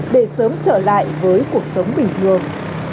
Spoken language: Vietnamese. để sớm trở lại với cuộc sống bình thường